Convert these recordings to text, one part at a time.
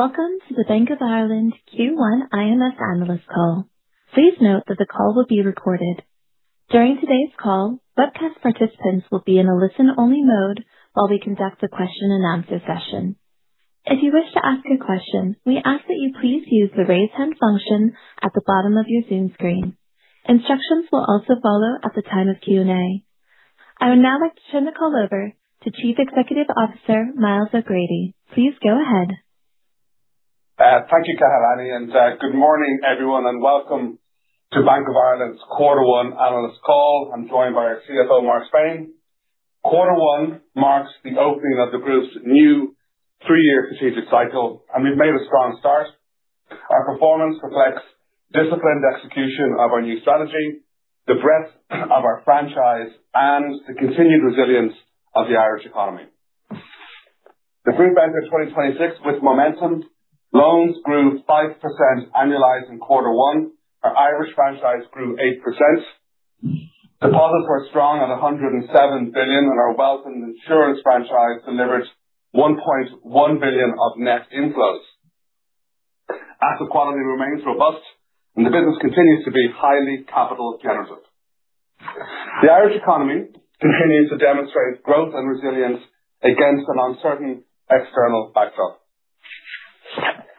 Welcome to the Bank of Ireland Q1 IMS analyst call. Please note that the call will be recorded. During today's call, webcast participants will be in a listen-only mode while we conduct a question-and-answer session. If you wish to ask a question, we ask that you please use the Raise Hand function at the bottom of your Zoom screen. Instructions will also follow at the time of Q&A. I would now like to turn the call over to Chief Executive Officer, Myles O'Grady. Please go ahead. Thank you, Tahani, good morning, everyone, welcome to Bank of Ireland's quarter one analyst call. I'm joined by our CFO, Mark Spain. Quarter one marks the opening of the group's new three-year strategic cycle, we've made a strong start. Our performance reflects disciplined execution of our new strategy, the breadth of our franchise, and the continued resilience of the Irish economy. The group entered 2026 with momentum. Loans grew 5% annualized in quarter one. Our Irish franchise grew 8%. Deposits were strong at 107 billion, our wealth and insurance franchise delivered 1.1 billion of net inflows. Asset quality remains robust, the business continues to be highly capital generative. The Irish economy continues to demonstrate growth and resilience against an uncertain external backdrop.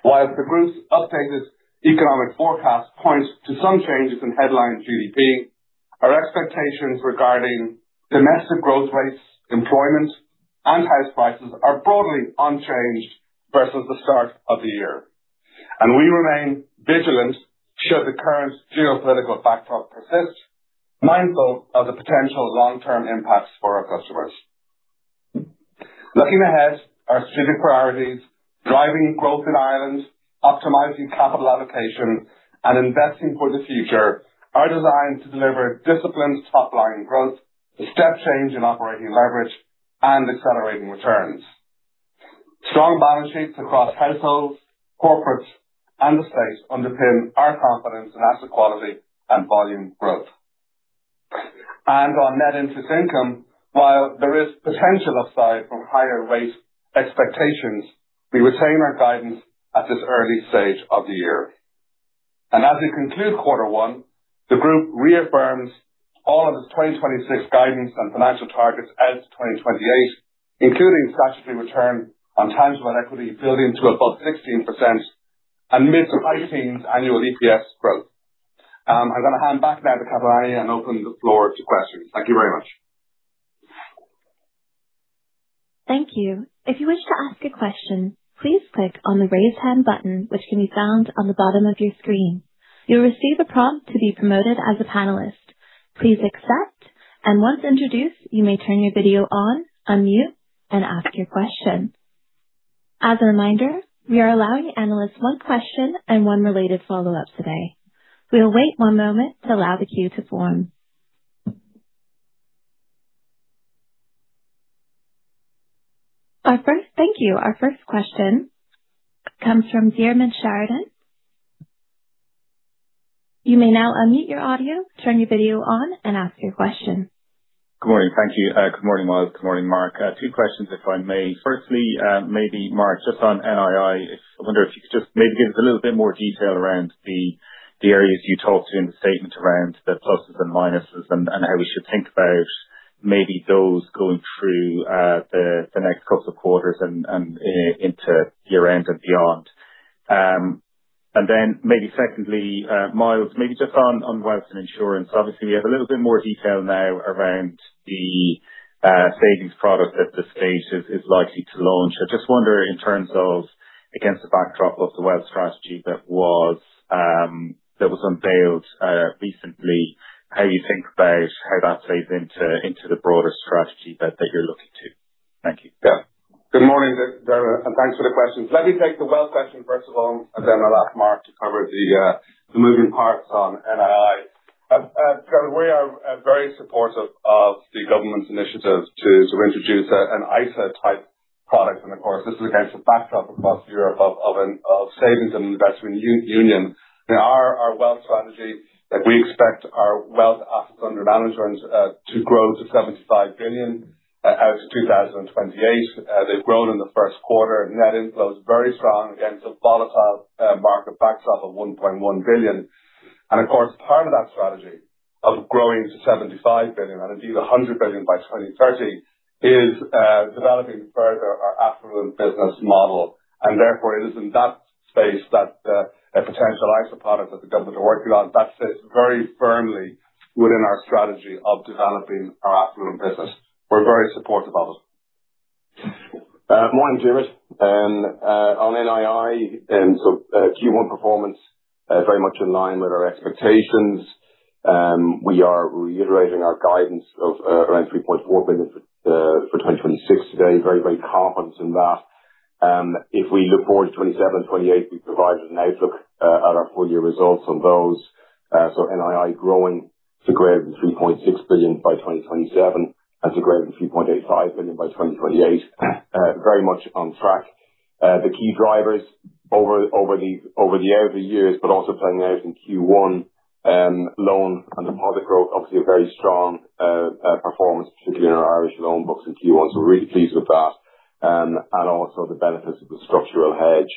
While the group's updated economic forecast points to some changes in headline GDP, our expectations regarding domestic growth rates, employment, and house prices are broadly unchanged versus the start of the year. We remain vigilant should the current geopolitical backdrop persist, mindful of the potential long-term impacts for our customers. Looking ahead, our strategic priorities, driving growth in Ireland, optimizing capital allocation, and investing for the future are designed to deliver disciplined top-line growth, a step change in operating leverage, and accelerating returns. Strong balance sheets across households, corporates, and the state underpin our confidence in asset quality and volume growth. On net interest income, while there is potential upside from higher rate expectations, we retain our guidance at this early stage of the year. As we conclude quarter one, the Group reaffirms all of its 2026 guidance and financial targets as 2028, including statutory return on tangible equity building to above 16% and mid-to-high teens annual EPS growth. I'm gonna hand back now to Tahani and open the floor to questions. Thank you very much. Thank you. If you wish to ask a question, please click on the Raise Hand button, which can be found on the bottom of your screen. You'll receive a prompt to be promoted as a panelist. Please accept, and once introduced, you may turn your video on, unmute, and ask your question. As a reminder, we are allowing analysts one question and one related follow-up today. We will wait one moment to allow the queue to form. Thank you. Our first question comes from Diarmaid Sheridan. You may now unmute your audio, turn your video on, and ask your question. Good morning. Thank you. Good morning, Myles. Good morning, Mark. I've two questions, if I may. Firstly, maybe Mark, just on NII. I wonder if you could just maybe give us a little bit more detail around the areas you talked in the statement around the pluses and minuses and how we should think about maybe those going through the next couple of quarters and into year-end and beyond. Then maybe secondly, Myles, maybe just on wealth and insurance. Obviously we have a little bit more detail now around the savings product at this stage is likely to launch. I just wonder, in terms of against the backdrop of the wealth strategy that was, that was unveiled, recently, how you think about how that plays into the broader strategy that you're looking to? Thank you. Good morning, Diarmaid, and thanks for the question. Let me take the wealth section first of all, and then I'll ask Mark to cover the moving parts on NII. We are very supportive of the government's initiative to sort of introduce an ISA type product. Of course, this is against the backdrop across Europe of savings and investment union. Our wealth strategy that we expect our wealth assets under management to grow to 75 billion as of 2028. They've grown in the first quarter. Net inflows very strong against a volatile market backdrop of 1.1 billion. Of course, part of that strategy of growing to 75 billion and indeed 100 billion by 2030 is developing further our affluent business model. Therefore it is in that space that, a potential ISA product that the government are working on, that sits very firmly within our strategy of developing our affluent business. We're very supportive of it. Morning, Diarmaid. On NII, Q1 performance, very much in line with our expectations. We are reiterating our guidance of around 3.4 billion for 2026 today. Very confident in that. If we look forward to 2027 and 2028, we've provided an outlook at our full year results on those. NII growing to greater than 3.6 billion by 2027 and to greater than 3.85 billion by 2028. Very much on track. Over the early years, but also playing out in Q1, loan and deposit growth, obviously a very strong performance, particularly in our Irish loan books in Q1. We're really pleased with that. Also the benefits of the structural hedge.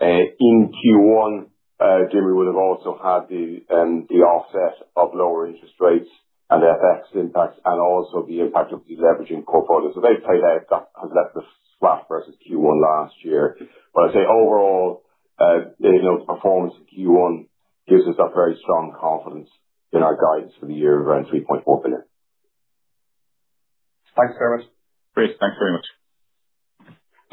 In Q1, Jimmy would have also had the offset of lower interest rates and FX impacts and also the impact of deleveraging portfolios. They've paid out. That has left us flat versus Q1 last year. I'd say overall, you know, the performance in Q1 gives us that very strong confidence in our guidance for the year around 3.4 billion. Thanks very much. Great. Thanks very much.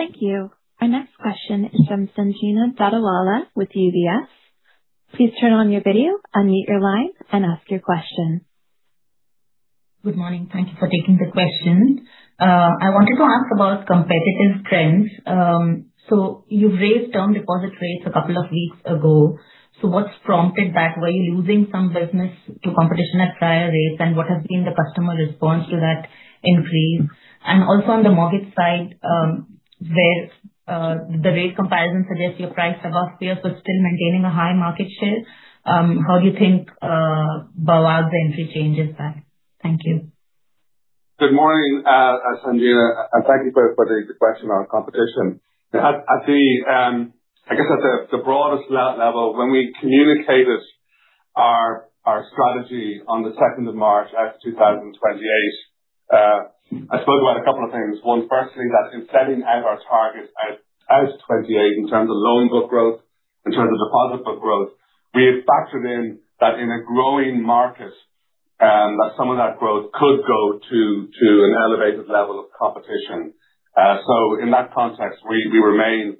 Thank you. Our next question is from Sanjena Dadawala with UBS. Please turn on your video, unmute your line, and ask your question. Good morning. Thank you for taking the questions. I wanted to ask about competitive trends. You've raised term deposit rates a couple of weeks ago. What's prompted that? Were you losing some business to competition at prior rates? What has been the customer response to that increase? Also on the mortgage side, where the rate comparison suggests you're priced above peers but still maintaining a high market share, how do you think Bank of Ireland entry changes that? Thank you. Good morning, Sanjena, thank you for the question on competition. At the, I guess at the broadest level, when we communicated our strategy on the 2nd of March out to 2028, I spoke about a couple of things. One, firstly, that in setting out our targets out to 2028 in terms of loan book growth, in terms of deposit book growth, we had factored in that in a growing market, that some of that growth could go to an elevated level of competition. In that context, we remain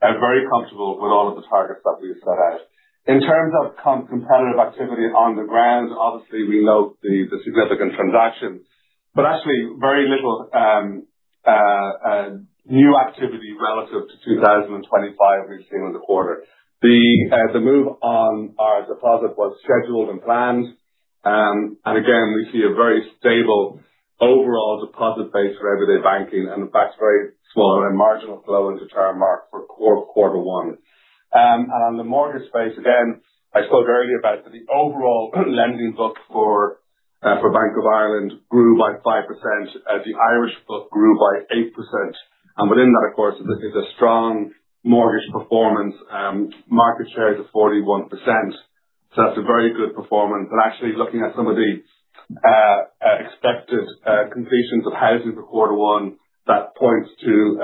very comfortable with all of the targets that we've set out. In terms of competitive activity on the ground, obviously, we note the significant transactions. Actually, very little new activity relative to 2025 we've seen in the quarter. The move on our deposit was scheduled and planned. Again, we see a very stable overall deposit base for everyday banking and in fact very small and marginal flow into term market for quarter one. On the mortgage space, again, I spoke earlier about the overall lending book for Bank of Ireland grew by 5%. The Irish book grew by 8%. Within that, of course, is a strong mortgage performance. Market share is at 41%. That's a very good performance. Actually, looking at some of the expected completions of houses for quarter one, that points to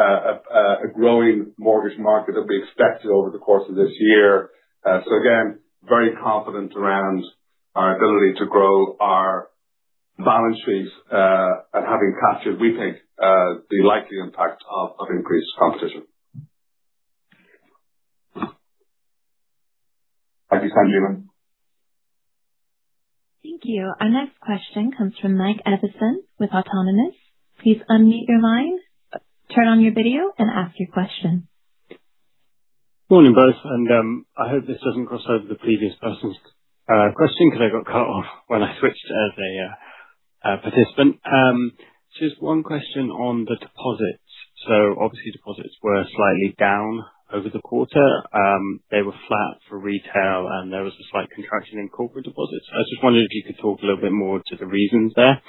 a growing mortgage market that we expected over the course of this year. Again, very confident around our ability to grow our balance sheets and having captured, we think, the likely impact of increased competition. Thank you, Sanjena. Thank you. Our next question comes from Mike Evison with Autonomous. Please unmute your line, turn on your video and ask your question. Morning, both. I hope this doesn't cross over the previous person's question because I got cut off when I switched as a participant. Just one question on the deposits. Obviously, deposits were slightly down over the quarter. They were flat for retail, and there was a slight contraction in corporate deposits. I just wondered if you could talk a little bit more to the reasons there,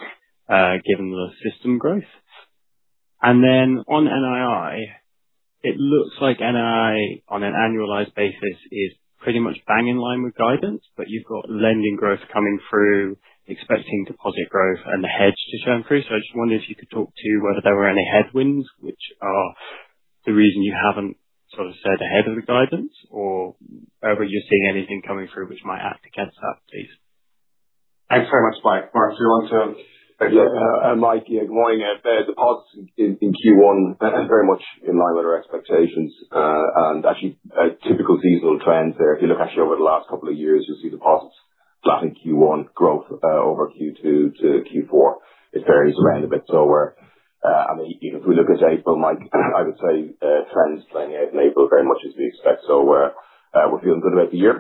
given the system growth. On NII, it looks like NII on an annualized basis is pretty much bang in line with guidance, but you've got lending growth coming through, expecting deposit growth and the hedge to turn through. I just wondered if you could talk to whether there were any headwinds which are the reason you haven't sort of stayed ahead of the guidance, or are you seeing anything coming through which might act against that, please? Thanks very much, Mike. Mark, do you want to take that? Yeah, Mike, yeah, good morning. Deposits in Q1 are very much in line with our expectations. Actually, typical seasonal trends there. If you look actually over the last couple of years, you'll see deposits flat in Q1, growth over Q2 to Q4 is very standard. I mean, even if we look at April, Mike, I would say trends playing out in April very much as we expect. We're feeling good about the year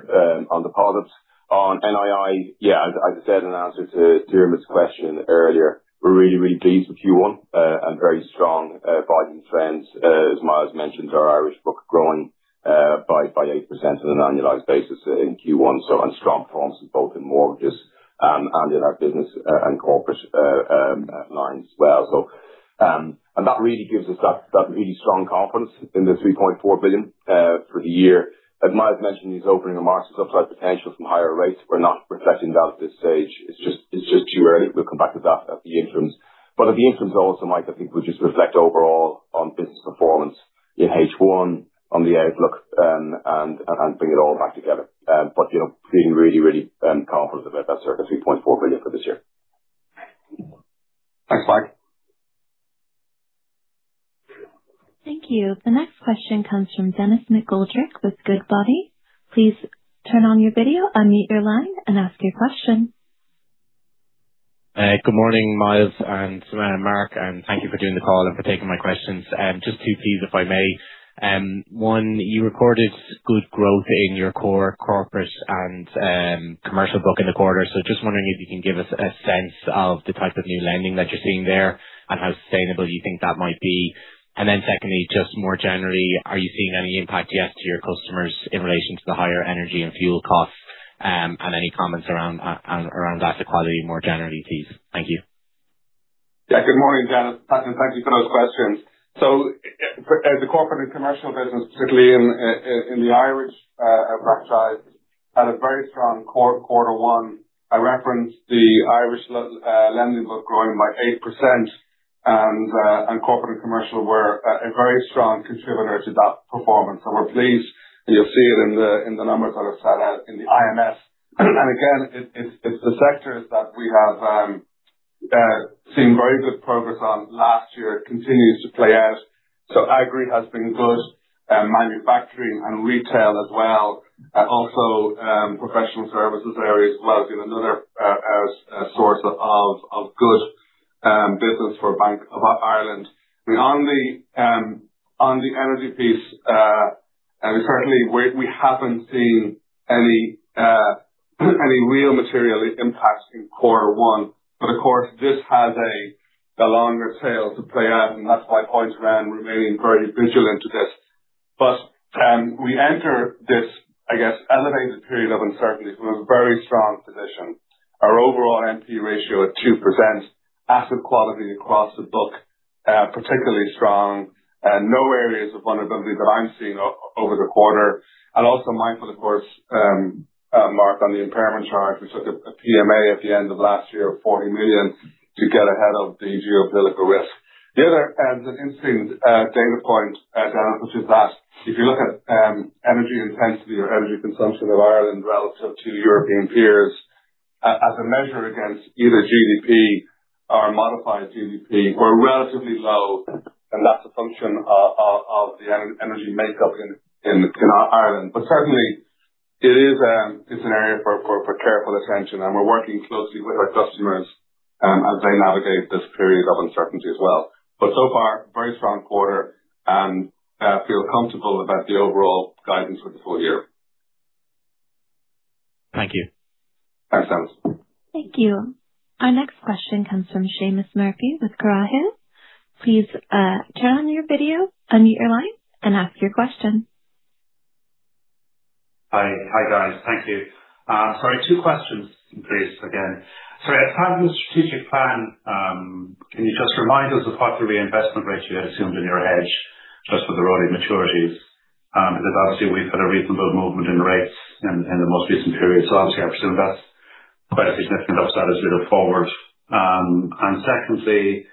on deposits. On NII, yeah, as I said in answer to Diarmaid's question earlier, we're really, really pleased with Q1, very strong volume trends. As Myles mentioned, our Irish book growing by 8% on an annualized basis in Q1. And strong performance both in mortgages, and in our business, and corporate lines as well. And that really gives us that really strong confidence in the 3.4 billion for the year. As Myles mentioned in his opening remarks, the upside potential from higher rates, we're not reflecting that at this stage. It's just too early. We'll come back to that at the interims. At the interims also, Mike, I think we'll just reflect overall on business performance in H1 on the outlook, and bring it all back together. You know, feeling confident about that sort of 3.4 billion for this year. Thanks, Mike. Thank you. The next question comes from Denis McGoldrick with Goodbody. Please turn on your video, unmute your line, and ask your question. Good morning, Myles and Mark, thank you for doing the call and for taking my questions. Just two Cs, if I may. One, you recorded good growth in your core corporate and commercial book in the quarter. Just wondering if you can give us a sense of the type of new lending that you're seeing there and how sustainable you think that might be. Secondly, just more generally, are you seeing any impact yet to your customers in relation to the higher energy and fuel costs? Any comments around asset quality more generally, please. Thank you. Good morning, Denis. Thank you for those questions. The corporate and commercial business, particularly in the Irish franchise, had a very strong quarter one. I referenced the Irish lending book growing by 8%, and corporate and commercial were a very strong contributor to that performance. We're pleased. You'll see it in the numbers that I've set out in the IMS. Again, it's the sectors that we have seen very good progress on last year continues to play out. Agri has been good, manufacturing and retail as well, also professional services area as well has been another source of good business for Bank of Ireland. On the energy piece, certainly we haven't seen any real material impact in quarter one. Of course, this has a longer tail to play out, and that's why I pointed out remaining very vigilant to this. We enter this, I guess, elevated period of uncertainty with a very strong position. Our overall NPE ratio at 2%, asset quality across the book, particularly strong, and no areas of vulnerability that I'm seeing over the quarter. Also mindful, of course, Mark, on the impairment charge. We took a PMA at the end of last year of 40 million to get ahead of the geopolitical risk. The other interesting data point, which is that if you look at energy intensity or energy consumption of Ireland relative to European peers, as a measure against either GDP or modified GDP, we're relatively low, and that's a function of the energy makeup in Ireland. Certainly it is an area for careful attention, and we're working closely with our customers as they navigate this period of uncertainty as well. So far, very strong quarter, and feel comfortable about the overall guidance for the full year. Thank you. Thanks, Denis. Thank you. Our next question comes from Seamus Murphy with Carraighill. Please turn on your video, unmute your line and ask your question. Hi. Hi, guys. Thank you. Sorry, two questions, please, again. Sorry, as part of the strategic plan, can you just remind us of what the reinvestment ratio you had assumed in your hedge just for the rolling maturities? Because obviously we've had a reasonable movement in rates in the most recent period, so obviously I presume that's quite a significant upside as we look forward. And secondly,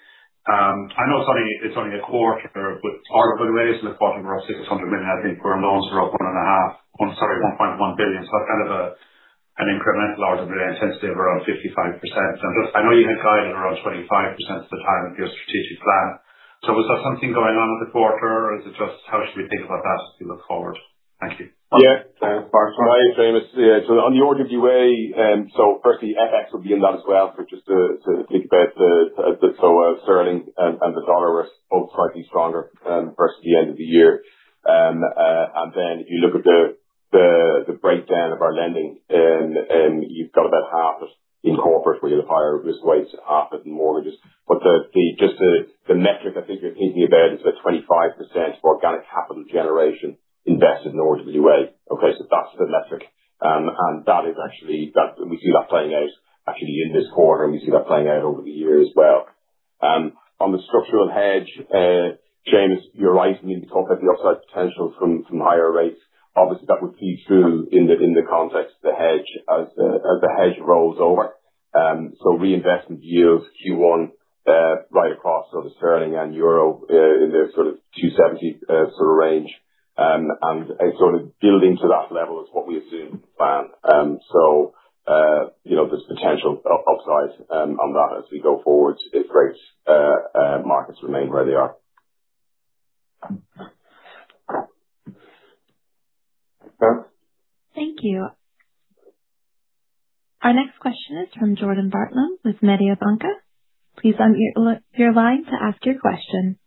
I know it's only a quarter with RWA in the quarter we're up 600 million. I think core loans are up 1.1 billion. Kind of an incremental RWA intensity of around 55%. Just I know you had guidance around 25% at the time of your strategic plan. Was that something going on with the quarter or is it just how should we think about that as we look forward? Thank you. Yeah. Thanks, Mark. Hi, Seamus. Yeah. On the RWA, firstly, FX would be in that as well. Just to think about the sterling and the dollar were both slightly stronger, versus the end of the year. If you look at the breakdown of our lending, then, you've got about half of in corporate where you have higher risk weights, half of it in mortgages. The just the metric I think we're thinking about is the 25% organic capital generation invested in RWA. Okay? That's the metric. That is actually That's we see that playing out actually in this quarter, and we see that playing out over the year as well. On the structural hedge, Seamus, you're right. We need to talk about the upside potential from higher rates. Obviously, that would feed through in the context of the hedge as the hedge rolls over. Reinvestment yield Q1 right across sort of sterling and EUR in the sort of 270 range. Building to that level is what we assume going forward. You know, there's potential upside on that as we go forward if rates markets remain where they are. Thanks. Thank you. Our next question is from Jordan Bartlam with Mediobanca. Please unmute your line to ask your question.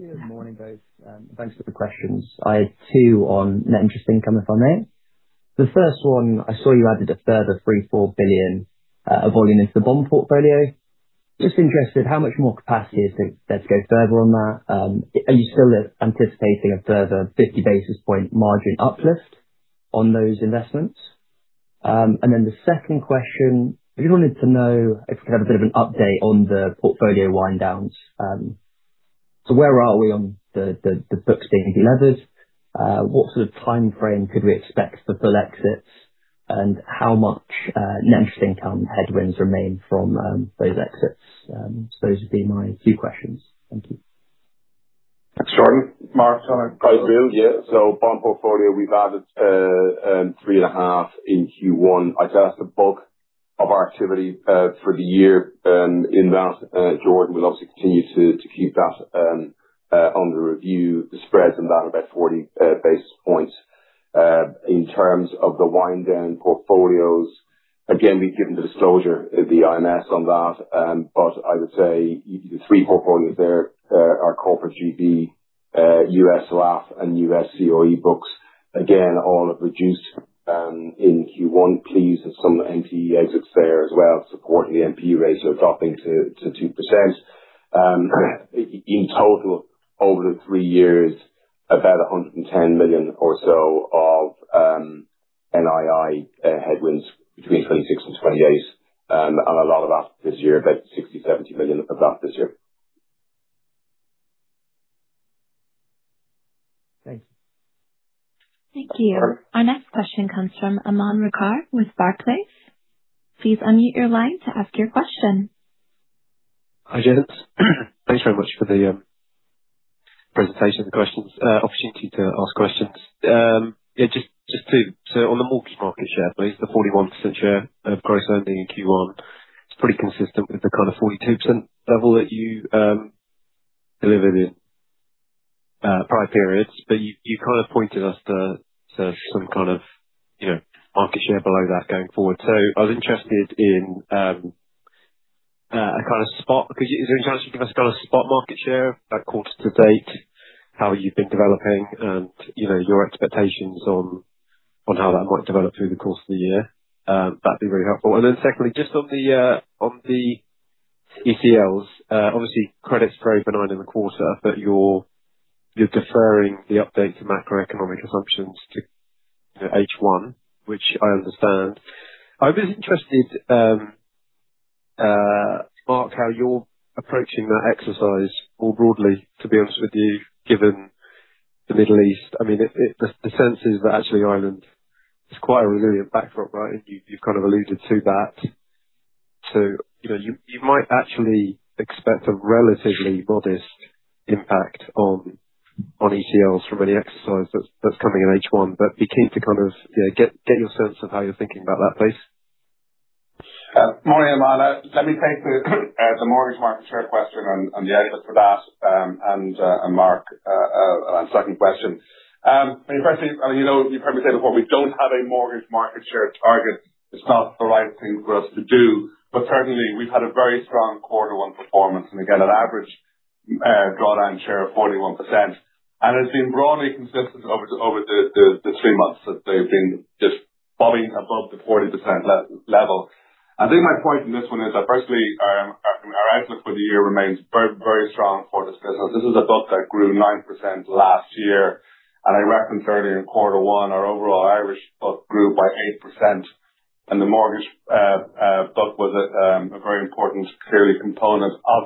Good morning, guys, and thanks for the questions. I have two on net interest income, if I may. The first one, I saw you added a further 3 billion-4 billion volume into the bond portfolio. Just interested, how much more capacity is there to go further on that? Are you still anticipating a further 50 basis point margin uplift on those investments? The second question, I just wanted to know if we could have a bit of an update on the portfolio wind downs. Where are we on the books being de-levered? What sort of timeframe could we expect for full exits? How much net interest income headwinds remain from those exits? Those would be my two questions. Thank you. Thanks, Jordan. Mark, do you want to go? Hi. Yeah. Bond portfolio, we've added 3.5 billion in Q1. I'd say that's the bulk of our activity for the year in that, Jordan. We'll obviously continue to keep that under review. The spreads on that are about 40 basis points. In terms of the wind down portfolios, again, we've given the disclosure the IMS on that. I would say the three portfolios there are Corporate GB, US LAF and US COE books. Again, all have reduced in Q1, pleased with some NPE exits there as well, supporting the NPE ratio dropping to 2%. In total, over the three years, about 110 million or so of NII headwinds between 2026 and 2028. A lot of that this year, about 60 million, 70 million of that this year. Thank you. Thank you. Our next question comes from Aman Rakkar with Barclays. Please unmute your line to ask your question. Hi, gents. Thanks very much for the presentation opportunity to ask questions. Yeah, on the mortgage market share, please, the 41% share of gross lending in Q1. It's pretty consistent with the kind of 42% level that you delivered in prior periods. You kind of pointed us to some kind of, you know, market share below that going forward. I was interested in. Is there any chance you can give us kind of spot market share by quarter to date, how you've been developing and, you know, your expectations on how that might develop through the course of the year? That'd be very helpful. Then secondly, just on the on the ECLs, obviously credits grew overnight in the quarter, but you're deferring the update to macroeconomic assumptions to, you know, H1, which I understand. I'd be interested, Mark, how you're approaching that exercise more broadly, to be honest with you, given the Middle East. I mean, the sense is that actually Ireland is quite a resilient backdrop, right? You've kind of alluded to that. You know, you might actually expect a relatively modest impact on ECLs from any exercise that's coming in H1. Be keen to kind of, you know, get your sense of how you're thinking about that, please. Morning, Aman. Let me take the mortgage market share question and the outlook for that, and Mark on second question. I mean, firstly, you know, you've heard me say before, we don't have a mortgage market share target. It's not the right thing for us to do. Certainly we've had a very strong quarter one performance and again, an average draw down share of 41%. It's been broadly consistent over the three months that they've been just bobbing above the 40% level. I think my point in this one is that firstly, our outlook for the year remains very, very strong for this business. This is a book that grew 9% last year, and I reckon certainly in quarter one, our overall Irish book grew by 8%. The mortgage book was a very important clearly component of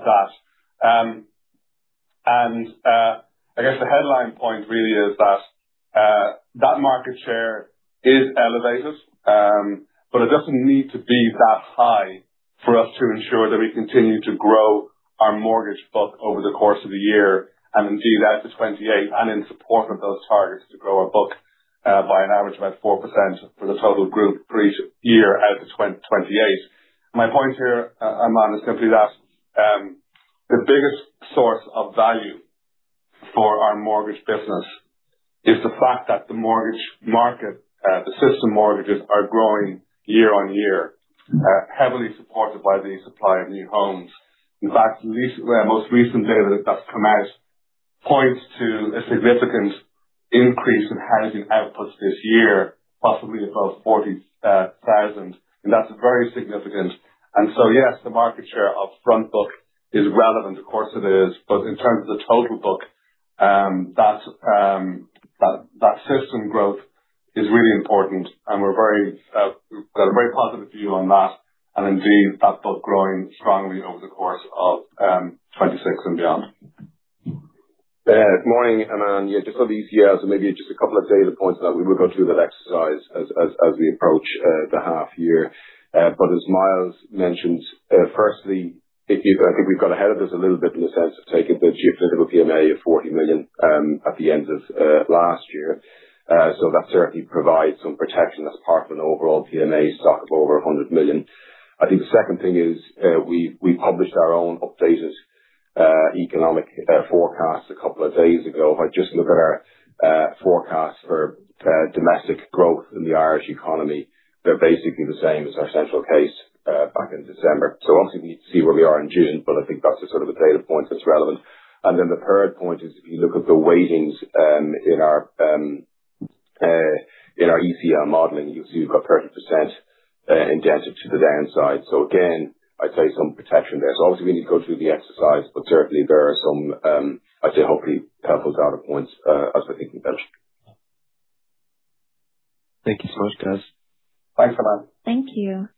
that. I guess the headline point really is that that market share is elevated, but it doesn't need to be that high for us to ensure that we continue to grow our mortgage book over the course of the year. Indeed, out to 2028 and in support of those targets to grow our book by an average of about 4% for the total group out to 2028. My point here, Aman, is simply that the biggest source of value for our mortgage business is the fact that the mortgage market, the system mortgages are growing year on year, heavily supported by the supply of new homes. In fact, recent, well, most recent data that's come out points to a significant increase in housing outputs this year, possibly above 40,000, and that's very significant. Yes, the market share of front book is relevant. Of course, it is. In terms of the total book, that system growth is really important, and we're very, we've got a very positive view on that and indeed that book growing strongly over the course of 2026 and beyond. Morning, Aman. Yeah, just on the ECLs and maybe just a couple of data points that we will go through that exercise as we approach the half year. As Myles mentioned, firstly, I think we've got ahead of this a little bit in the sense of taking the geopolitical PMA of 40 million at the end of last year. That certainly provides some protection as part of an overall PMA stock of over 100 million. I think the second thing is, we published our own updated economic forecast a couple of days ago. If I just look at our forecast for domestic growth in the Irish economy, they're basically the same as our central case back in December. Obviously we need to see where we are in June, but I think that's the sort of the data point that's relevant. The third point is if you look at the weightings in our ECL modeling, you'll see we've got 30% indebted to the downside. Again, I'd say some protection there. Obviously we need to go through the exercise, but certainly there are some, I'd say hopefully helpful data points, as I think you mentioned. Thank you so much, guys. Thanks, Aman. Thank you.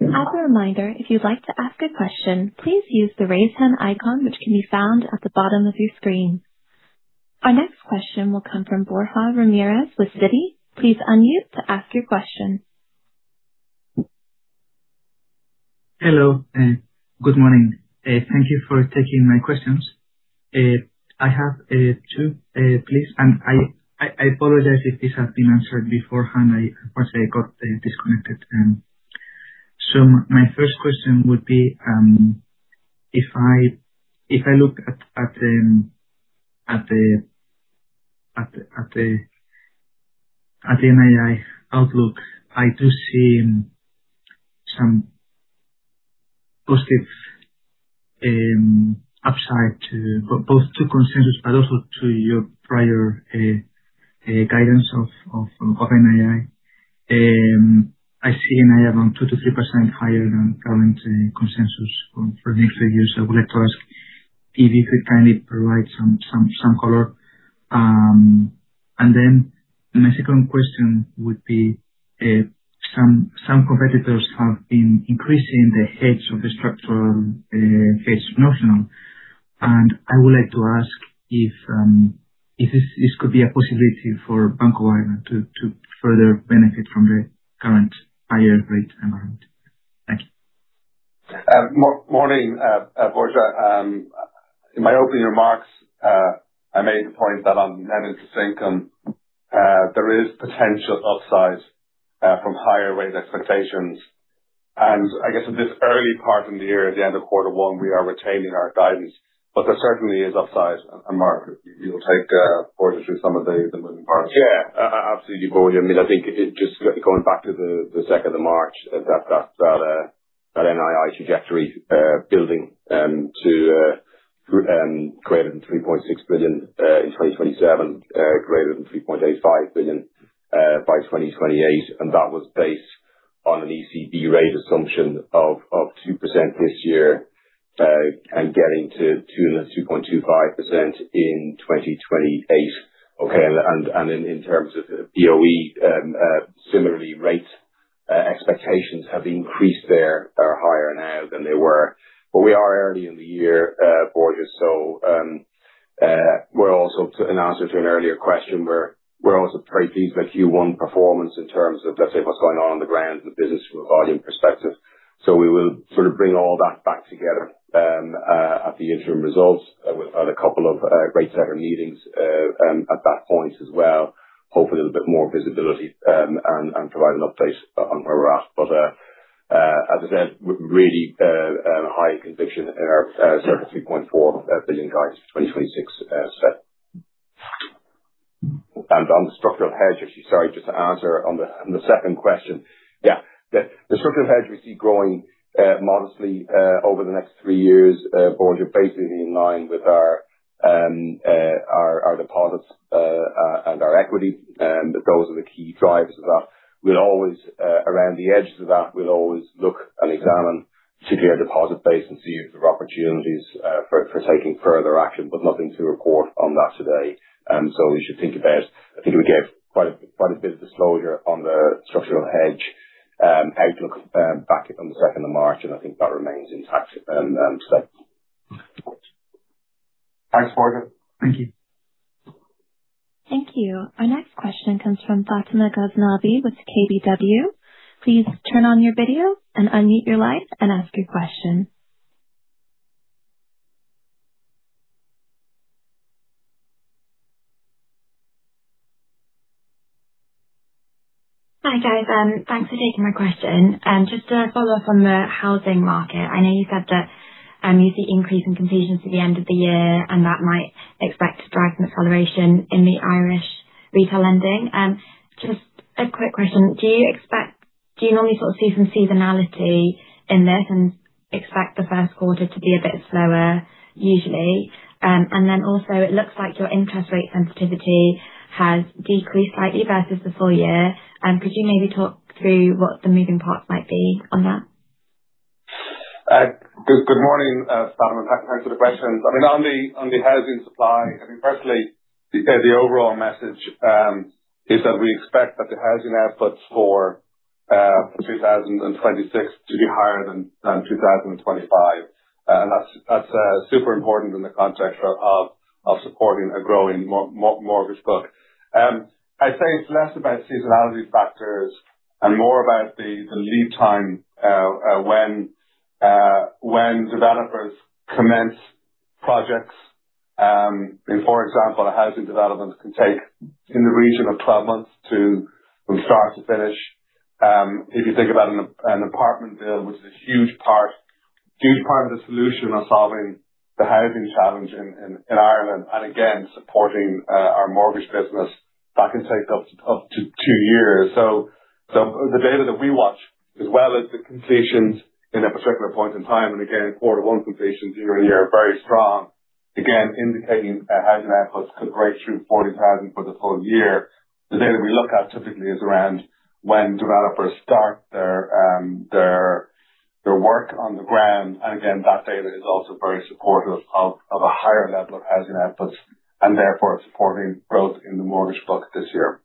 As a reminder, if you'd like to ask a question, please use the raise hand icon, which can be found at the bottom of your screen. Our next question will come from Borja Ramirez with Citi. Please unmute to ask your question. Hello, good morning. Thank you for taking my questions. I have two, please, and I apologize if this has been answered beforehand. I suppose I got disconnected. My first question would be, if I look at the NII outlook, I do see some positive upside to both to consensus but also to your prior guidance of NII. I see an around 2%-3% higher than current consensus for the next three years. I would like to ask if you could kindly provide some color. My second question would be, some competitors have been increasing the hedge of the structural hedge notional. I would like to ask if this could be a possibility for Bank of Ireland to further benefit from the current higher rate environment. Thank you. Morning, Borja. In my opening remarks, I made the point that on net interest income, there is potential upside from higher rate expectations. I guess at this early part in the year, at the end of quarter one, we are retaining our guidance, but there certainly is upside. Mark, you'll take Borja through some of the moving parts. Yeah. Absolutely, Borja. I mean, I think just going back to the second of March, that, that NII trajectory building to greater than 3.6 billion in 2027, greater than 3.85 billion by 2028. That was based on an ECB rate assumption of 2% this year, and getting to 2.25% in 2028. Okay? In, in terms of BOE, similarly rate expectations have increased there are higher now than they were. We are early in the year, Borja. In answer to an earlier question, we're also very pleased with Q1 performance in terms of let's say what's going on on the ground and the business from a volume perspective. We will sort of bring all that back together at the interim results. We've had a couple of rate setter meetings at that point as well. Hopefully, a little bit more visibility and provide an update on where we're at. As I said, really high conviction in our sort of 3.4 billion guidance for 2026 set. On the structural hedge, actually, sorry, just to answer on the second question. Yeah. The structural hedge we see growing modestly over the next three years, Borja, basically in line with our deposits and our equity. Those are the key drivers of that. We'll always, around the edges of that, look and examine, particularly our deposit base and see if there are opportunities for taking further action. Nothing to report on that today. I think we gave quite a bit of disclosure on the structural hedge outlook back on the 2nd of March. I think that remains intact today. Thanks, Borja. Thank you. Thank you. Our next question comes from Fatima Ghaznavi with KBW. Please turn on your video and unmute your line and ask your question. Hi, guys. Thanks for taking my question. Just to follow up on the housing market. I know you said that you see increasing completions to the end of the year, and that might expect to drive an acceleration in the Irish retail lending. Just a quick question. Do you normally sort of see some seasonality in this and expect the first quarter to be a bit slower usually? Also it looks like your interest rate sensitivity has decreased slightly versus the full year. Could you maybe talk through what the moving parts might be on that? Good morning, Fatima. Thanks for the questions. On the housing supply, firstly, the overall message is that we expect that the housing outputs for 2026 to be higher than 2025. That's super important in the context of supporting a growing mortgage book. I think it's less about seasonality factors and more about the lead time when developers commence projects. For example, a housing development can take in the region of 12 months from start to finish. If you think about an apartment build, which is a huge part of the solution of solving the housing challenge in Ireland, and again, supporting our mortgage business, that can take up to two years. The data that we watch, as well as the completions in a particular point in time, and again, quarter one completions year-on-year are very strong. Indicating that housing outputs could break through 40,000 for the full year. The data we look at typically is around when developers start their work on the ground. That data is also very supportive of a higher level of housing outputs and therefore supporting growth in the mortgage book this year.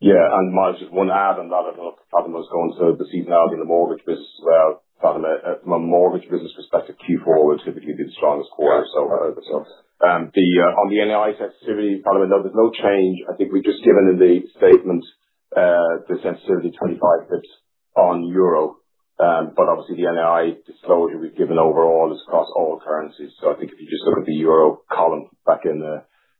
Yeah. Might just one add on that as well, Fatima, is going to the seasonality in the mortgage business as well. Fatima, from a mortgage business perspective, Q4 will typically be the strongest quarter. Yeah. On the NII sensitivity, Fatima, no, there's no change. I think we've just given in the statement, the sensitivity 25 basis points on euro. Obviously the NII disclosure we've given overall is across all currencies. I think if you just look at the euro column back in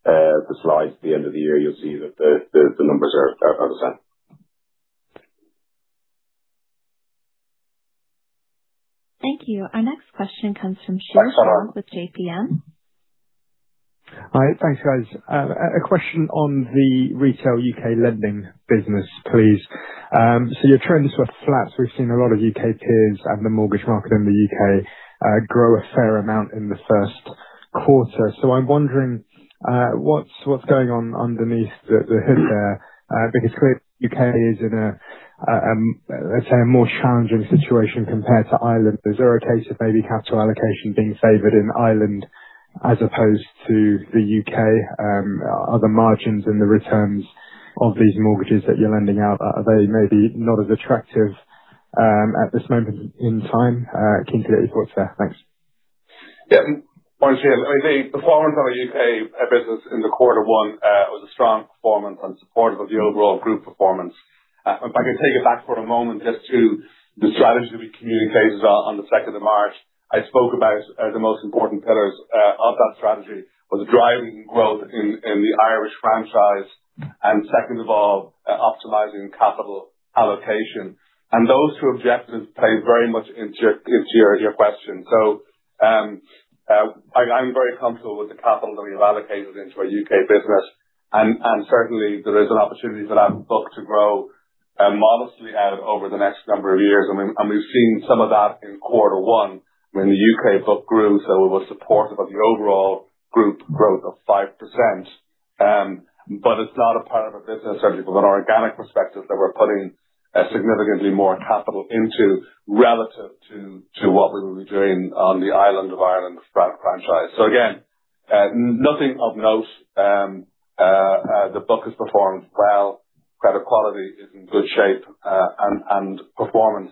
the slides at the end of the year, you'll see that the numbers are the same. Thank you. Our next question comes from Sheel Shah with JPM. Hi. Thanks, guys. A question on the retail U.K. lending business, please. Your trends were flat. We've seen a lot of U.K. peers and the mortgage market in the U.K., grow a fair amount in the first quarter. I'm wondering what's going on underneath the hood there? Because clearly U.K. is in a more challenging situation compared to Ireland. Is there a case of maybe capital allocation being favored in Ireland as opposed to the U.K.? Are the margins and the returns of these mortgages that you're lending out, are they maybe not as attractive at this moment in time? Keen to get your thoughts there. Thanks. Yeah. Once again, I mean the performance of our U.K. business in the Q1 was a strong performance and supportive of the overall group performance. If I can take it back for a moment just to the strategy we communicated on the 2nd of March. I spoke about as the most important pillars, of that strategy, was driving growth in the Irish franchise and second of all, optimizing capital allocation. Those two objectives play very much into your question. So, I'm very comfortable with the capital that we've allocated into our U.K. business. Certainly there is an opportunity for that book to grow modestly out over the next number of years. I mean, we've seen some of that in quarter one when the U.K. book grew, it was supportive of the overall group growth of 5%. It's not a part of our business certainly from an organic perspective that we're putting significantly more capital into relative to what we would be doing on the Island of Ireland franchise. Again, nothing of note. The book has performed well, credit quality is in good shape, and performance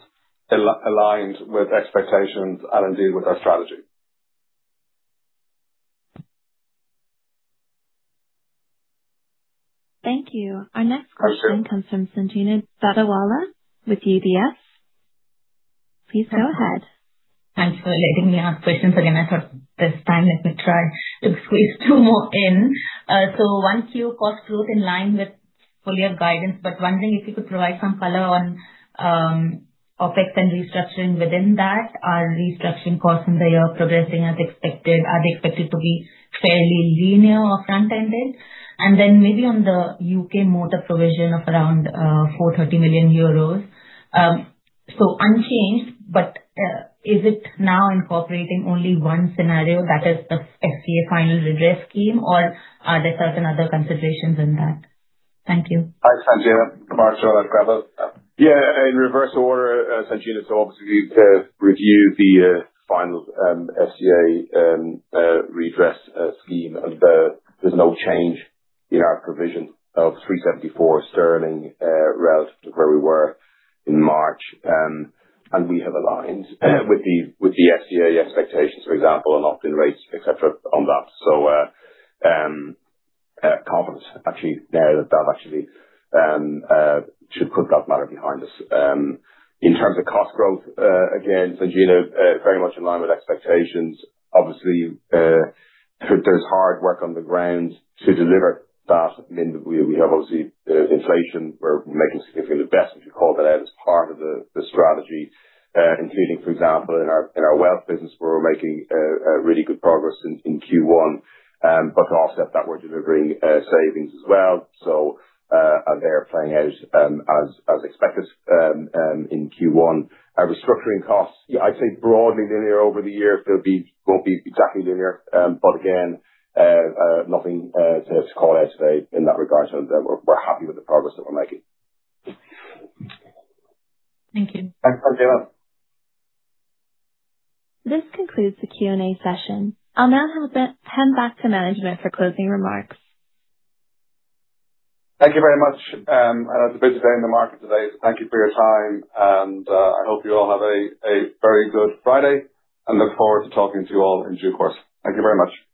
aligns with expectations and indeed with our strategy. Thank you. Our next question comes from Sanjena Dadawala with UBS. Please go ahead. Thanks for letting me ask questions again. I thought this time let me try to squeeze two more in. 1Q cost growth in line with full year guidance, but wondering if you could provide some color on OpEx and restructuring within that. Are restructuring costs in the year progressing as expected? Are they expected to be fairly linear or front-ended? Then maybe on the U.K. motor provision of around 430 million euros. Unchanged, but is it now incorporating only onen scenario that is the FCA final redress scheme, or are there certain other considerations in that? Thank you. Hi, Sanjena. Mark, do you want to grab that? Yeah. In reverse order, Sanjena, obviously to review the final FCA redress scheme, there's no change in our provision of 374 million sterling relative to where we were in March. We have aligned with the FCA expectations, for example, and locked-in rates, et cetera, on that. Confidence actually there that actually should put that matter behind us. In terms of cost growth, again, Sanjena, very much in line with expectations. Obviously, there's hard work on the ground to deliver that. I mean, we have obviously, inflation. We're making significantly better if you call that out as part of the strategy. Including, for example, in our wealth business, where we're making really good progress in Q1. Also at that we're delivering savings as well. They're playing out as expected in Q1. Our restructuring costs, yeah, I'd say broadly linear over the year. Won't be exactly linear. Again, nothing to call out today in that regard so that we're happy with the progress that we're making. Thank you. Thanks, Sanjena. This concludes the Q&A session. I'll now hand back to management for closing remarks. Thank you very much. It's a busy day in the market today. Thank you for your time and, I hope you all have a very good Friday and look forward to talking to you all in due course. Thank you very much.